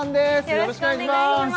よろしくお願いします